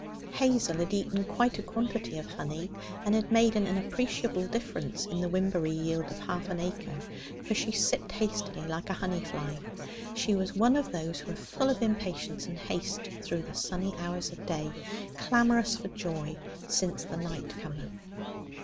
Hazel had eaten quite a quantity of honey, and had made an appreciable difference in the wimberry yield of half an acre, for she sipped hastily like a honey fly. She was one of those who are full of impatience and haste through the sunny hours of day, clamorous for joy, since the night cometh.